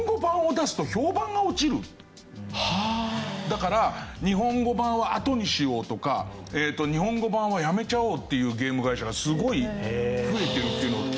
だから「日本語版はあとにしよう」とか「日本語版はやめちゃおう」っていうゲーム会社がすごい増えてるっていうのを聞いて。